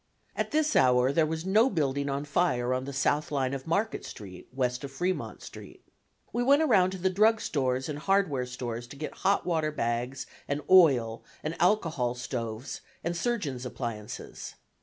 At this hour there was no building on fire on the south line of Market Street west of Fremont Street. We went around to the drug stores and hardware stores to get hot water bags and oil and alcohol stoves and surgeons' appliances.